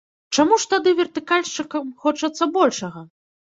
Чаму ж тады вертыкальшчыкам хочацца большага?